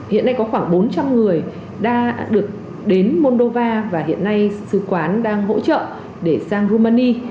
hiện nay có khoảng bốn trăm linh người đã được đến moldova và hiện nay sứ quán đang hỗ trợ để sang rumani